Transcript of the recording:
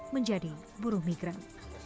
menjadi buruh migran